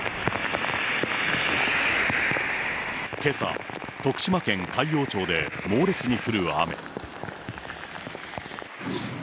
けさ、徳島県海陽町で猛烈に降る雨。